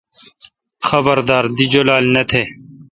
خبردار۔ دی جولال نہ تہ۔